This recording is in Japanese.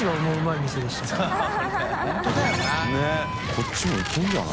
こっちもいけるんじゃない？